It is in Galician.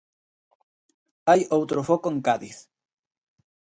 Hai outro foco en Cádiz.